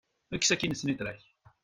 Ekkes akin snitra-k.